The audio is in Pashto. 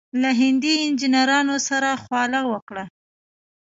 له هندي انجنیرانو سره خواله وکړه.